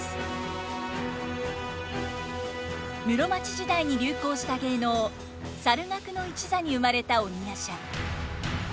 室町時代に流行した芸能猿楽の一座に生まれた鬼夜叉。